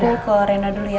aku ke reina dulu ya